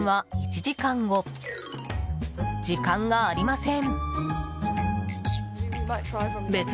時間がありません。